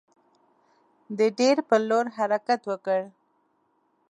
د دیر پر لور حرکت وکړ.